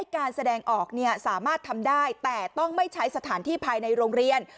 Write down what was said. การแสดงออกสามารถทำได้แต่ต้องไม่ใช้สถานที่ภายในโรงเรียน